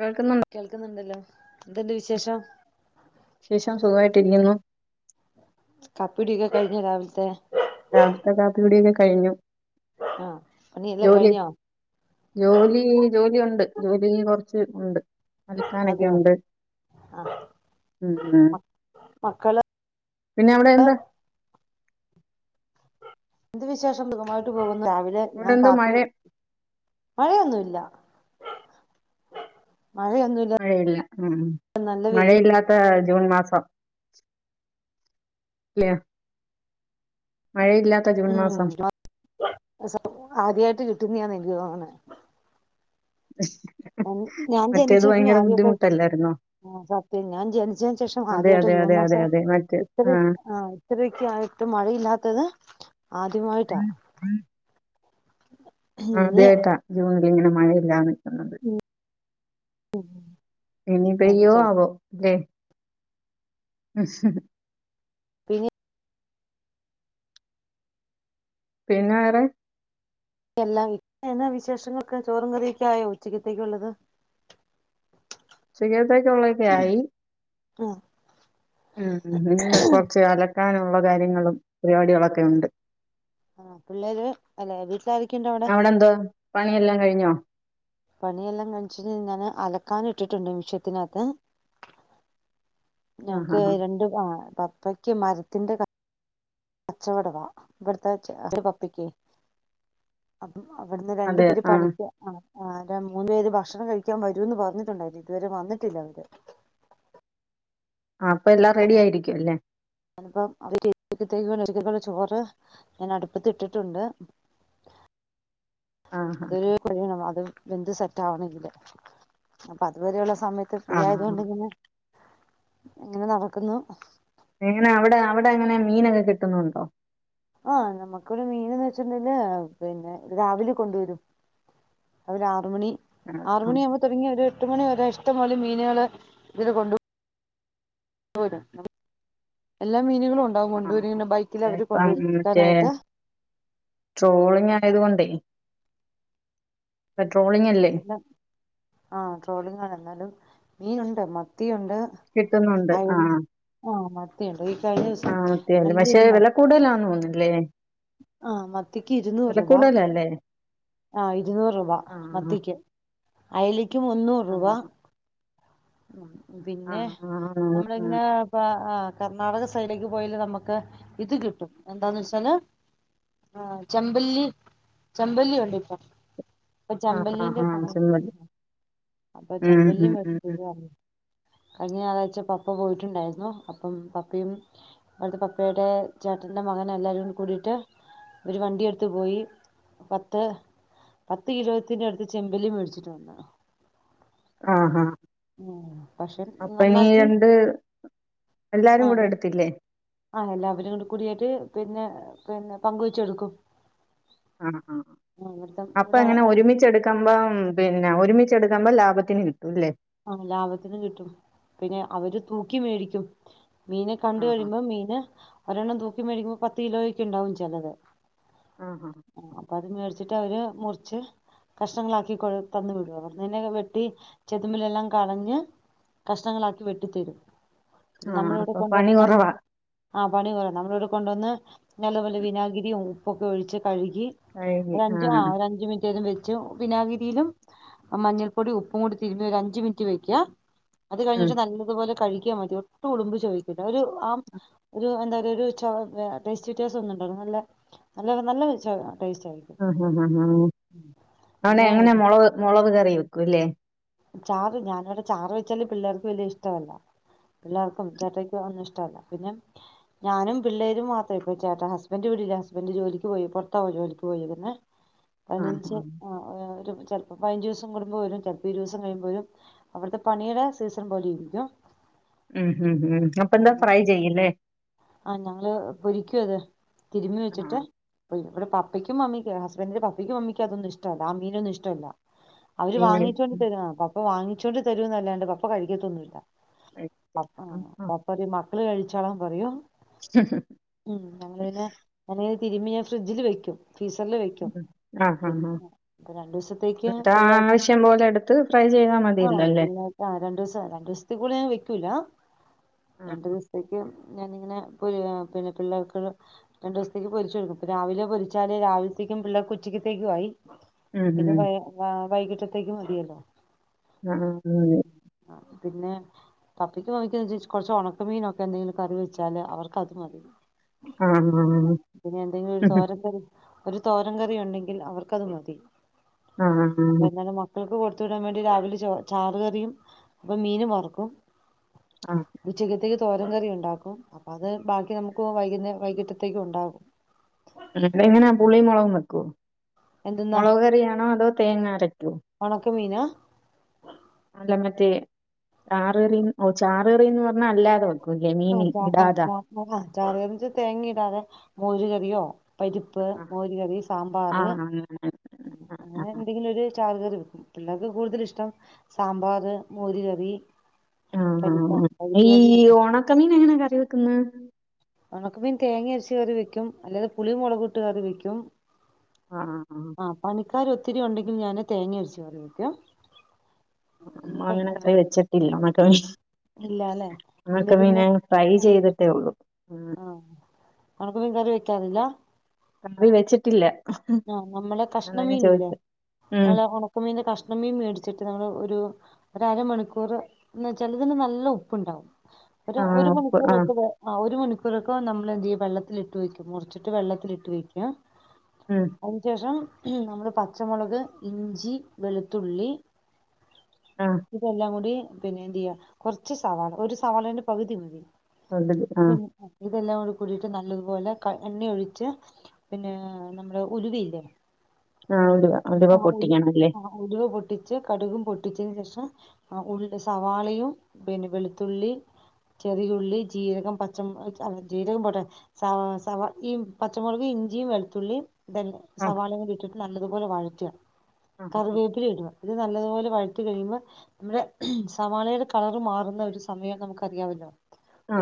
കേൾക്കുന്നുണ്ടോ കേൾക്കുന്നുണ്ടല്ലോ എന്ത്ണ്ട് വിശേഷം തിരിയുന്നു കപ്പിടിക്ക കഴഞ്ഞ രാവില്ത്തെ രാവിലത്തെ കാപ്പി കുടി ഒക്കെ കഴിഞ്ഞു ആഹ പണിയെല്ലാം ജോലി കഴിഞ്ഞോ ജോലി ജോലി ഒന്ന ണ്ട് ജോലി കുറച്ച് ണ്ട് അൽക്കാനൊക്കെ അതെയോ ഉണ്ട് ആ ഉം മക്കള് പിന്നെ അവിടെ എന്താ എന്ത് വിശേഷം സുഖമായിട്ട് പോകുന്നു രാവിലെ അവിടെ ഞാൻ എന്തോ കാപ്പി മഴ മഴയൊന്നുല്ല മഴയൊന്നുമില്ല മഴയില്ല ഉം നല്ല വെയിൽ മഴയില്ലാത്ത ജൂൺ മാസം ല്ലേ മാസം ഉം ആദ്യായിട്ട് കിട്ടുന്നയ എനിക്ക് തോന്ന്ണെ അ [unintelligible] ഞാൻ ജനിച്ച പിന്നെ ആദ്യക്കെ ബുദ്ധിമുട്ടല്ലായിരുന്നോ ആ സത്യം ഞാൻ ജനിച്ചന് ശേഷം അതെ ആദ്യയിട്ടോ അതെ ജൂൺ അതെ അതെ മാസം അതെ മറ്റ് ഇത്തര ആ ആഹ് ഇത്തരക്ക് ആയിട്ട് മഴ ഇല്ലാത്തത് ആദ്യമായിട്ടാ ഇനി ആദ്യായിട്ടാ ജൂണില് ഇങ്ങനെ മഴയില്ലാതെ നിക്ക്‌ന്നത് ഉ ഇനി പെയ്യോ ആവോ ലേ അ [unintelligible] ഈ പിന്നെ വേറെ എല്ലാം എന്നാ വിശേഷങ്ങളൊക്കെ ചോറും കറിയും ഒക്കെ ആയോ ഉച്ചക്കത്തേക്കുള്ളത് ഉച്ചകത്തേക് ഉളൊക്കെ ആയി ആഹ ഉം മ്മഡ് കുറച്ച് അലക്കാനുള്ള കാര്യങ്ങളും പരിപാടികളൊക്കെ ഉണ്ട് ആഹ പിള്ളേര് അല്ലെ വീട്ടിൽ ആരൊക്കെയുണ്ട് അവിടെ പണിയെല്ലാം കഴിഞ്ഞോ പണിയെല്ലാം കഴിഞ്ഞിറ്റ്ണ് അലക്കാന് ഇട്ടിട്ടുണ്ട് മെഷത്തിനകത്ത് ആഹ് ഞങ്ങക്ക് ആഹ് രണ്ട് ആ പപ്പയ്ക്ക് മരത്തിന്റെ കച്ചവടവാ ഇവിടുത്തെ ഒരു കപ്പക്ക് അവിടുന്ന് രണ്ടു അതെ പേര് ആഹ് പണിക്ക്‌ ആ ആ മൂന്നു പേര് ഭക്ഷണം കഴിക്കാൻ വരൂന്ന് പറഞ്ഞിട്ടുണ്ടായിരുന്നു ഇതുവരെ വന്നിട്ടില്ല അവര് ആ അപ്പൊ എല്ലാം റെഡി ആയിരിക്ക അല്ലേ ഞാനിപ്പോ അവര്ത്തേക്ക് ചോർ ഞാൻ അടുപ്പത്തിട്ടിട്ടുണ്ട് [unintelligible] ആഹ് അതൊരു കൊഴിയണം അത് വെന്തുസെറ്റ് ആവണെങ്കില് അപ്പൊ അതുവരെയുള്ള സമയത്ത് ഫ്രീ ആഹ് ആഹ് ആയതൊണ്ട് ഇങ്ങനെ ഇങ്ങനെ നടക്കുന്നു എങ്ങനെ അവിടെ അവിടെ എങ്ങനെ മീനൊക്കെ കിട്ടുന്നുണ്ടോ ആ നമ്മുക്കൊരു മീനെന്ന് വെച്ചിുണ്ടെങ്കില് പിന്നെ രാവിലെ കൊണ്ടുവരും അത് രാ ആറ മണി ആഹ് ആറ മണിയ ആകുമ്പോൾ [unintelligible] ആഹ് ആറുമണി ആവുമ്പൊതുടങ്ങി ഒരു എട്ട് മണി വരെ ഇഷ്ടം പോലെ മീനുകളെ ഇതില് കൊണ്ടുപോകും [inaudible] എല്ലാ മീനുകളും ഉണ്ട് ആ അപ്പ മറ്റേ വിൽക്കാനായിട്ട് ട്രോളിംഗ് ആയതുകൊണ്ടേ മം എല്ലാം ആഹ ട്രോളിങ്ങ ആണ് എന്നാലും മീൻ ഉണ്ട് മത്തിയ ഉണ്ട് കിട്ടുന്നുണ്ട് ആ ആ മത്തിയുണ്ട് ഈ കഴിഞ്ഞ ആ [inaudible] ദിവസം ആഹ മത്തിയല്ലെ പശെ നല്ലൊരു മ വെല കൂടുതലാന് തോന്നല്ലേ ആ മത്തിക്ക് ഇരുന്നൂറൂപ കൂടുതലല്ലേ ആഹ ഇരുന്നൂറ് രൂപ ആഹ് മത്തിക്ക് അയലക്ക് മുന്നൂറ് രൂപ ആഹ് ഉം പിന്നെ ആഹ് ആഹ് ആഹ് നമ്മള ആഹ് ഇങ്ങനെ [unintelligible] കർണാടക സൈഡിലേക്ക് പോയല് നമ്മക്ക് ഇത് കിട്ടും എന്താന്ന് വെച്ചാല് ആ ചെമ്പല്ലി ചെമ്പല്ലി ഉണ്ടിപ്പ ഇപ്പൊ ആഹ് ചമ്പല്ലിന്റെ ആഹ് ആഹ് സമയം ആഹ് [inaudible] അപ്പൊ ഉം ചമ്പല്ലി ഉം ഉം ഉം [unintelligible] കഴിഞ്ഞ ഞായറാഴ്ച പപ്പ പോയിട്ടുണ്ടായിരുന്നു അപ്പം പപ്പയും അവിടുത്തെ പപ്പേടെ [unintelligible] ചേട്ടന്റെ മകനുംഎല്ലാരും കൂടിട്ട് ഒരു വണ്ടി എടുത് പോയി പത്ത് പത്ത് കിലോത്തിന്റെ അടുത്ത് ചെമ്പലും മേടിച്ചിട്ട് വന്ന ആഹ ഉ പക്ഷെ നന്നാക്കി എല്ലാരും കൂടെ ആഹ് എടുത്തില്ലേ ആ എല്ലാവരും കൂടി കൂടിയിട്ട് പിന്നെ പിന്നെ പങ്കുവെച്ചെടുക്കും ആണ ആഹ ഇവിടുത്തെ ആ അപ്പൊ ഇവിടെ എങ്ങനെ ആ ഒരുമിച്ചെടുക്കുമ്പോ പിന്നെ [unintelligible] [unintelligible] ലാഭത്തിന് കിട്ടൂല്ലേ [unintelligible] ലാഭത്തിനും കിട്ടും പിന്നെ അവര് തൂക്കി മേടിക്കും മീന കണ്ട ആഹാ. കഴിയുമ്പോ മീന് ഒരെണ്ണം തൂക്കി മേടിക്കുമ്പോ പത്ത് കിലോക്ക ഉണ്ടാവും ചിലത് ആഹാ. ആഹ അത്മേടിച് [unintelligible] മുറിച്ച് കഷ്ണങ്ങളാക്കി [unintelligible] തന്നുവിടുംവെറുതെ ന്നെ വെട്ടി [unintelligible] [unintelligible] കളഞ്ഞ് കഷ്ണങ്ങളാക്കി വെട്ടിത്തരും പിന്നെ ആ നമ്മൾഇവിടെ അപ്പൊ പണി കൊണ്ടുവന്ന് നമ്മള് കൊറവാ. ആ പണി കുറ വനമ്മൾഇവിടെ കൊണ്ടുവന്ന് നല്ലവിനാഗിരിയും ഉപ്പൊക്കെ ഒഴിച്ച് കഴുകി ഒരഞ്ച് ആ ഒരഞ്ച് മിനിറ്റേരം വച്ചു മ വിനാഗിരിയിലും മഞ്ഞൾപ്പൊടി ഉപ്പും കൂടി തിരുമി ഒരു അഞ്ചു മിനിറ്റ് വെക്കുക അത് ഉം. കഴിഞ്ഞിട്ട് നല്ലപോലെ കഴിക്കും മ ഒട്ടും ഉടുമ്പ് ചോദിച്ചില്ല ഒരു ആ ഒരു എന്താ പറയ ഒരു ടെസ്റ്റ് വ്യത്യാസം ഉണ്ടാരുന്നില്ല നല്ല നല്ല നല്ല ഒരുപാചകമാണ് ആ ഹ ഹ ഹ അവനെ പിന്നെ എങ്ങനെ ഇത് മുളക് മുളക് കറി വെക്കൂല്ലേ ചാറ് ഞാനിവിടെ ചാറ് വെച്ചാല് പിള്ളേർക്ക് വലിയ ഇഷ്ടമല്ല പിള്ളേർക്കും ചേട്ടായ്ക്കും ഒന്നും ഇഷ്ടല്ല പിന്നെ ഞാനും പിള്ളേരും മാത്രേ ഇപ്പ ചേട്ട [unintelligible] ഹസ്ബന്റും ഹസ്ബൻറ് ജോലിക്ക് പോയി അപ്പുറത്താ ജോലിക്ക് പോയേക്കുന്നെ ആഹാ. പതിനഞ്ച് ആ ഒരു ചെലപ്പോ പതിനഞ്ച് ദിവസം കൂടുമ്പോ വരും ചെലപ്പോ ഒരു ദിവസം കഴിയുമ്പോഴും അവിടുത്തെ പണിയുടെ സീസൺ പോലെ ഇരിക്കും ഉം ഹം ഉ അപ്പൊ എന്താ ഫ്രൈ ചെയ്യല്ലേ ആ ഞങ്ങള് പൊരിക്കും അത് തിരുമി ആ. വെച്ചിട്ട് പോവും ഇവിടെ പപ്പക്കും അമ്മിക്ക് ഹസ്ബന്റിന്റെ പപ്പക്കും മമ്മിക്കും അതൊന്നും ഇഷ്ടല്ല ആ മീനൊന്നും ഇഷ്ടമല്ല അവര് മീന് വാങ്ങിച്ചോണ്ട് തരുന്നത പപ്പ വാങ്ങിച്ചോണ്ട് തരുന്നതല്ലാണ്ട് പപ്പ കഴിക്കത്തൊന്നുമല്ല പ്പ ആഹാ. പപ്പദി മക്കളും കഴിചോളം പറയും ഉം ഞങ്ങ പിന്നെ നാൻ തിരുമ്പി ഞാൻ ഫ്രിഡ്ജിൽ വെക്കും ഫ്രീസറിൽ വെക്കും ആഹാഹാ. പിന്നെ പ്പം രണ്ടു ദിവസത്തേക്ക് എന്നിട്ട് ആ പിള്ളേ ആവശ്യം പോലെ എടുത്ത് ഫ്രൈ ചെയ്താ മതിയല്ലോ അല്ലേ? ആഹ് രണ്ട് ദിവസം രണ്ടു ദിവസത്തെ കൂടെ ഞൻ വെക്കൂല ആ. രണ്ടു ദിവസത്തേക്ക് ഞാനിങ്ങനെ പിന്നെ പിള്ളേർക്ക്‌ രണ്ടു ദിവസത്തേക്ക് പൊരിച്ച് കൊടുക്കും ഇപ്പൊ രാവിലെ പൊരിച്ചാല് രാവിലത്തേക്കും പിള്ളേർക്ക് ഉച്ച ത്തേക്കും ആയി ഉം പിന്നെ ഉം. വൈ വൈകിട്ടത്തേക്കും മതിയല്ലോ ആ ആ പിന്നെ പപ്പിക്കും മമിക്കും കൊറച്ച് ഉണക്ക മീനൊക്കെ എന്തെങ്കിലും കറി വെച്ചാല് അവർക്ക് അത് മതി ആ. പിന്നെ എന്തെങ്കിലും ഒരു തോരക്കറി ഒരു തോരം കറി ഉണ്ടെങ്കിൽ അവർക്കത് മതി അ ആ ഹ അപ്പൊ ഹാ [unintelligible] കൊടുത്തു വിടാൻ വേണ്ടി രാവിലെ ച ചാർ കറിയും അപ്പൊ മീനും വറക്കും ആ. ഉച്ചക്കത്തേക്ക് തോരം കറി ഉണ്ടാക്കും അപ്പ അത് ബാക്കി നമുക്ക് വൈകുന്നേ വൈകിട്ടത്തേക്കും ഉണ്ടാകും എങ്ങനാ പുളി മുളക് വെക്കുവോ- എന്തെന്നാ മുളക് കറിയാണോ അതോ തേങ്ങ അരക്കുവോ ഒണക്ക മീനാ അല്ല മറ്റേ- ചാറ് കറിന്ന് ഓ ചാറ് കറിന്ന് പറഞ്ഞാൽ അല്ലാതെ വെക്കൂല്ലേ ആ മീന് ആ ആ ഇടാതെ. [unintelligible] ചറ തേങ്ങിടാതെ മോര് കറിയോ പരിപ്പ്, ആ മോര് കറി, സാമ്പാർ, ആ, അങ്ങനെ ആ ആ അങ്ങനെ ആ. എന്തെങ്കിലും ഒരു ചാറ് കറി പിള്ളേർക്ക് കൂടുതൽ ഇഷ്ടം സാമ്പാർ- മോര് കറി പരിപ്പ് ആഹ- ആ- പരിപ്പ് ഈ കറി ഒണക്കമീൻ എങ്ങനെയാ കറി വെക്കുന്നത് ഉണക്ക മീൻ തേങ്ങ അരച്ച് കറി വെക്കും അല്ലത് പുളി മുളകിട്ട് കറി വെക്കും ആഹ ആഹ ആൾക്കാർ ഒത്തിരി ഉണ്ടെങ്കിൽ ഞാൻ തേങ്ങ അരച്ച് കറി വെക്കും [unintelligible] ഇനിയിപ്പോ അങ്ങനെ കറി വെച്ചിട്ടില്ല [unintelligible] ഇല്ലാല്ലേ എന്താ ഉണക്ക മീന് പിന്നെ ഫ്രൈ ആ ചെയ്തിട്ടേ ഉള്ളു ആ- നിനക്ക് മീൻകറി വെക്കാൻ അറിയില്ല കറി വെച്ചിട്ടില്ല ആ- നമ്മളെ അതാ ഞാൻ കഷ്ണമീൻ ഇല്ലേ- ചോദിച്ചെ. ഉം. നമ്മളെ ഉണക്കമീൻ കഷ്ണമീൻ മേടിച്ചിട്ട് നമ്മള് ഒരു ഒരമണിക്കൂർ എന്ന വച്ചാൽ ഇതിന് നല്ല ഉപ്പുണ്ടാവും ഒരു ആ ഒരു ഉപ്പ് മണിക്കൂർ ആ ഒക്കെ [unintelligible] ആ ഒരു മണിക്കൂർ [unintelligible] നമ്മൾ എന്ത് ചെയ്യ വെള്ളത്തിട്ട് വെക്കും മുറിച്ചിട്ട് വെള്ളത്തിട്ട് വയ്ക്കുക ഉം അതിനുശേഷം നമ്മള് പച്ചമുളക്- ഇഞ്ചി- വെളുത്തുള്ളി- ആ. ഇതെല്ലാം കൂടി പിന്നെ എന്ത് ചെയ്യാ കുറച്ച് സവാള ഒരു സവാളന്റെ പകുതി മതി- [unintelligible] ആ ഇത ഇതെല്ലാം കൂടി കൂടിട്ട് നല്ലതുപോലെ എണ്ണ ഒഴിച്ച് പിന്നെ നമ്മുടെ ഉലുവയില്ലേ ആഹ് ഉലുവ- ഉലുവ ആ ഉലു പൊട്ടിക്കണംല്ലേ ആ ഉലുവ പൊട്ടിച്ച് കടുകും പൊട്ടിച്ചതിനന് ശേഷം- ഉള് സവാളയും- പിന്നെ വെളുത്തുള്ളി- ചെറിയുള്ളി- ജീരകം- പച്ചമ [unintelligible] ജീരകം പോട്ടെ [unintelligible] ഈ പച്ചമുളക് ഇഞ്ചിയും വെളുത്തുള്ളിയും ഇതന്നെ ആഹ് സവാളങ്ങ ഇട്ടിട്ട് നല്ലതുപോലെ വഴറ്റുക ആഹ് കറിവേപ്പില ഇടുക നല്ലതുപോലെ വഴറ്റി കഴിയുമ്പോ- നമ്മുടെ സവാളയുടെ കളർ മാറുന്ന ഒരു സമയം നമുക്ക്റിയാമല്ലോ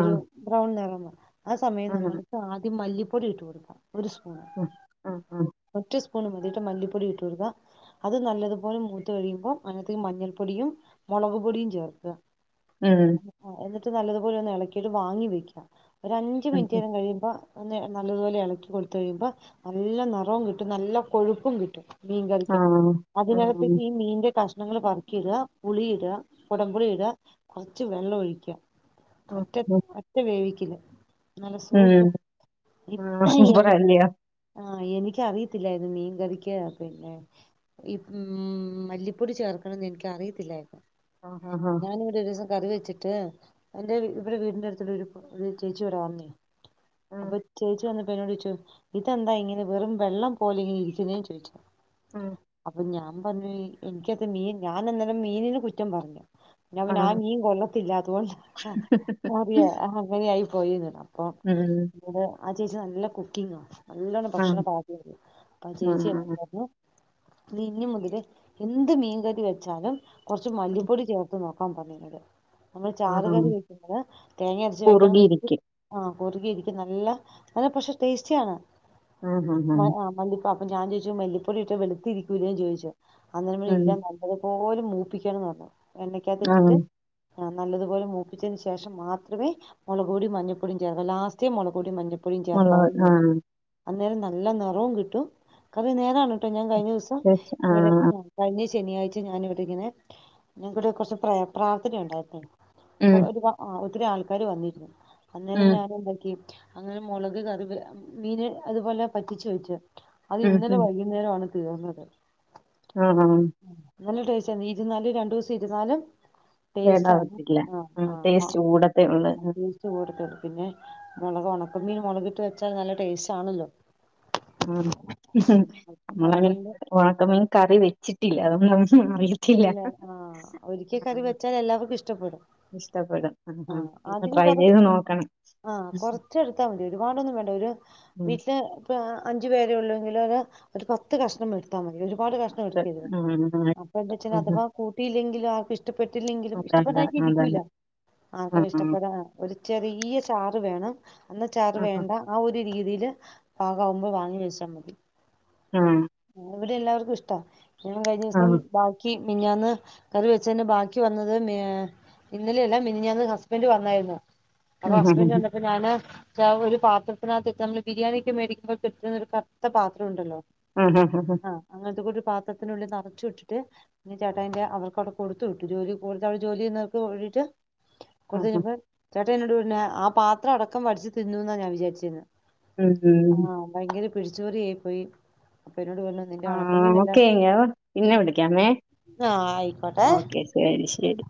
ഒരു ആഹ് ബ്രൗൺ നിറം- ആ സമയം അങ്ങനെ നമ്മൾക്ക് ആദ്യം മല്ലിപ്പൊടി ഇട്ടു കൊടുക്കാം ഒരു സ്പൂണ്- ഉം ഒറ്റ സ്പൂൺ മതി- മല്ലിപ്പൊടി ഇട്ട കൊടുക്ക- അത് നല്ലതുപോലെ മൂത്ത് കഴുമ്പോ- അങ്ങത്ത മഞ്ഞൾ പൊടിയും- മുളക് പൊടിയും ഇഞ്ചിയും എന്നിട്ട് നല്ലതുപോലെ ഒന്ന് ഇളക്കിട്ട് മാങ്ങി വെക്ക ഒരു അഞ്ചു ഉം ഉം മിനിറ്റേരം കഴിയുമ്പോ ഒന്ന് നല്ലതുപോലെ ഇളക്കി കൊടുത്ത് കഴിയുമ്പോ നല്ല നിറവും കിട്ടും നല്ല കൊഴുപ്പും കിട്ടും മീൻ ആ കറിക്ക് ഉം അതിനകത്തേക്ക് ഈ മീന്റെ കഷ്ണങ്ങള് പെറക്കിയിട പുളിയിട കൊടംപുളിയിട കുറച്ച് വെള്ളം ഒഴിക്ക ആഹ് ഒറ്റ് ആഹ് ഉം ഒറ്റ വേവിക്കല് നല്ല സൂപ്പർ ഉം ഇ ആഹ് [unintelligible] സൂപ്പറല്ലിയോ ആ എനിക്കറിയത്തില്ലായിരുന്ന് മീൻ കറി നിക്ക് പിന്നെ ഈമ് മല്ലിപ്പൊടി ചേർക്കണംന്ന് എനിക്ക് അറിയത്തില്ലായിരുന്നു ഹാ ഹാ ഹാ ഞാനിവിടെ ഒരു ദിവസം കറി വെച്ചിട്ട് എന്റെ വി ഇവിരെ വീടിന്റെ അടുത്തുള്ളരു ഒരു ചേച്ചി ഇവിടെ വന്നേ ആഹ് അപ്പൊ ചേച്ചി വന്നപ്പോ എന്നോട് ചോദിച് ഇതെന്താ ഇങ്ങനെ വെറും വെള്ളം പോലെ ഇങ്ങനെ ഇരിക്കുന്നേന്നു ചേദി ഉം [unintelligible] അപ്പൊ ഞാം ഞാൻ പറഞ്ഞു എനിക്കത് മീൻ ഞാനഅന്നേരം മീനനെ കുറ്റം പറഞ്ഞു ഞാൻ പിന്നെ ആ ആഹ് മീൻ കൊള്ളത്തില്ല അതുകൊണ്ടാ കറിയേ അങ്ങനെയായി പോയിന്നു പറഞ്ഞു അപ്പൊ ഉം അത് ആ ചേച്ചി നല്ല കുക്കിംഗ്ങ്ങാ നല്ലോണം ഭക്ഷണം ആഹ് പാ [unintelligible] അപ്പം ചേച്ചി എന്നെ ആഹ് വീഞ് മുയില് എന്ത് മീൻകറി വെച്ചാലും കുറച്ച് മല്ലിപ്പൊടി ചേർത്ത് നോ ക്കാൻ പറഞ്ഞത് നമ്മള് ആഹ് ചാറുകറി വെക്കുന്നത് തേങ്ങ അരച് വെക്ക് ന്നാ ത് കുറുകിയിരിക്കും ആ കുറുകി ഇരിക്കും നല്ല നല്ല പക്ഷെ ടേസ്റ്റി ആണ് ആഹ് ആഹ് ആഹ് മല്ലിപ്പ അപ്പ ഞാൻ ചോദിച്ചു മല്ലിപ്പൊടി ഇട്ട വെളുത്തി ഇരിക്കൂലേ ചോദിച്ചു അന്നേരം പറഞ്ഞു ഉം ഇല്ല നല്ലത് പോലെ മൂപ്പിക്കണന്ന് പറഞ്ഞു ആഹ് എണ്ണക്കാതിട്ടിട്ട് നല്ലതുപോലെ മൂപ്പിച്ചതിന് ശേഷം മാത്രമേ മുളകുപൊടി മഞ്ഞൾപൊടിം ചേർ ലാസ്റ്റേ മുളകുപൊടി മഞ്ഞ അപ്പോഴും ചേർക്കാവും മുളക് ന്നെള്ളു ആഹ് അന്നേരം നല്ല നിറവും കിട്ടും കറി നേരാണ് ട്ടോ ഞാൻ കഴിഞ്ഞോസം ടേസ്റ്റ് ഇവിടെ ആഹ് കഴിഞ്ഞ ശ ശനിയാഴ്ച ഞാനി ഇവിടെ ഇങ്ങനെ ഞങ്ങക്കിവിടെ കുറച്ച് പ്ര പ്രാർത്ഥന ഉണ്ടായിരുന്ന് ഉം ഒര്ത ആ ഒത്തിരി ആൾക്കാര് വന്നിരുന്നു അന്നേരം ഉം ഞാന് എന്താക്കി അങ്ങനെ മുളക് കറിവ് മീന് അതുപോലെ പറ്റിച്ചു വെച്ച് അത് ഉം ഇന്നലെ വൈകുന്നേരംആണ് തീർന്നത് ആ ആ നല്ല ടേസറ്റാ ഇരുന്നാലും രണ്ടൂസം ഇരുന്നാലും ടെസ്റ്റാ കേടാവത്തില്ല ഹ് ആ ആഹ് ആ ടേസ്റ്റ് കൂടത്തേ ഉള്ളൂ ടെസ്റ്റ്‌ കൂടുതല് പിന്നെ മുളക് ഉണക്ക മീൻ മുളകിട്ട് വെച്ചാൽ നല്ല ടേസ്റ്റ് ആണല്ലോ ആ ഉം. നമ്മളങ്ങനെ അതുകൊണ്ട് ഉണക്കമീൻ കറി വെച്ചിട്ടില്ല അതൊണ്ടാന്ന് അറിയത്തില്ല ഇല്ല ആ ഒരിക്കൽ ആ കറി വെച്ചാൽ എല്ലാവർക്കും ഇഷ്ടപ്പെടും. ഇഷ്ടപ്പെടും ഹ്ം ഇന്ന് ആദ്യം ട്രൈ ചെയ്ത് നോക്കണം ആ കൊറച്ച് എടുത്താ മതി ഒരുപാടൊന്നും വേണ്ട ഒരു ഉം വീട്ടില് ഇപ്പ് അഞ്ചു പേരെ ഉള്ളൂങ്കില് ഒരു പത്ത് കഷ്ണം എടുത്താ മതി ഒരു ഒരുപാട് കഷ്ണം എടുക്കരുത് അപ്പ എന്താ ആഹ് ആഹ് വെച്ചാൽ ആഹാ. അഥവാ കൂട്ടിയില്ലെങ്കില് ആർക്കും ഇഷ് ഇഷ്ടപ്പെട്ടില്ലെങ്കിലും അതെ അതെ ഇഷ്ടപ്പെടാതിരിക്കൂല്ല അതന്നെ ആർക്കാ ആഹ് ഇഷ്ടപ്പെടാന ഒരു ചെറിയ ചാറ് വേണം എന്ന ചാറ് ആഹ് വേണ്ട ആ ഒരു രീതിൽ പാകം ആകുമ്പോൾ വാങ്ങി വെച്ചാൽ മതി ആ ഇവിടെ എല്ലാവർക്കും ഇഷ്ടാ ഞങ്ങള് കഴിഞ്ഞ ദിവസം ബാക്കി മിഞ്ഞാന്ന് കറി വെച്ചതിൻ്റ ബാക്കി വന്നത് ഇന്നലെല്ല മിനിഞ്ഞാന്ന് ഹസ്ബെന്റ് വന്നായിരുന്നു അപ്പൊ ഹസ്ബെന്റ് വന്നപ്പോ ഞാന് ഞാരു പാത്രത്തിനാത്ത് നമ്മള് [unintelligible] ബിരിയാണിയൊക്കെ മേടിക്കുമ്പോ കിട്ടുന്ന ഒരു റ്ത്ത പാത്രം ഉണ്ടല്ലോ ആ ആഹ്ആ ആഹ് അങ്ങനത്തെ കൂടി ഒരു പാത്രത്തിനുള്ളിൽ നിറച്ചു ഇട്ടിട്ട് ഞ ചേട്ടായിന്റെ അവർക്ക അവിടെ കൊടുത്ത് വിട്ടു ജോലിക്ക്‌ടെ ജോലി ചെയ്യുന്നവർക്ക് വേണ്ടിട്ട് കൊടുത്ത് ആഹ് കഴിഞ്ഞപ്പോം ചേട്ടന്നോട് രഞ്ഞെ ആ പാത്രം അടക്കം വടിച്ച് തിന്നുന്നാ ഞാൻ വിചാരിച്ചിരിന്ന് ഹ് ഹ് പിടിച്ചുപറിയായിപ്പോയി ആ ഓക്കെങ് പിന്നെ വിളിക്കാമേ ആ ആയിക്കോട്ടെ ഓക്കെ ശരി ശരി